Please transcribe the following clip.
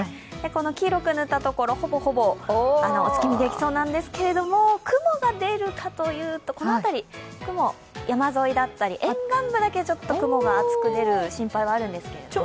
この黄色く塗ったところ、ほぼほぼお月見できそうなんですが雲が出るかというと、この辺り、雲、山沿いだったり沿岸部だけ、ちょっと雲が厚く出る心配はあるんですけども。